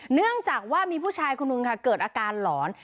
เนื่องจากว่ามีผู้ชายคนนึงค่ะเกิดอาการหลอน